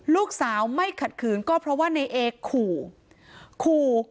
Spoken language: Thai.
ลูกสาวไม่ขัดขืนก็เพราะว่าในเอขู่ขู่